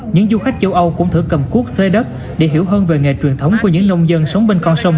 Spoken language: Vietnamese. những du khách châu âu cũng thử cầm cuốc xơi đất để hiểu hơn về nghề truyền thống của những nông dân